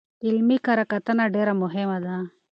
علمي کره کتنه ډېره مهمه ده.